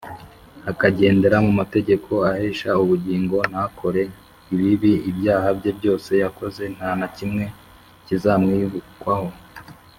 akagendera mu mategeko ahesha ubugingo ntakore ibibi, ibyaha bye byose yakoze nta na kimwe kizamwibukwaho